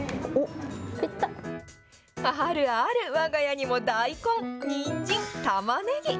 あるある、わが家にも大根、にんじん、たまねぎ。